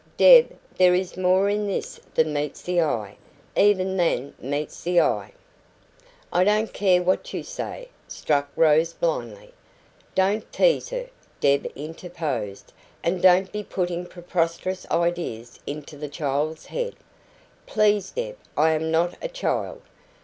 "Deb, there is more in this than meets the eye even than meets the eye." "I don't care what you say," struck Rose blindly. "Don't tease her," Deb interposed. "And don't be putting preposterous ideas into the child's head." "Please, Deb, I am not a child."